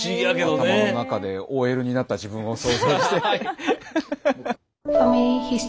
頭の中でＯＬになった自分を想像してハハハハハッ！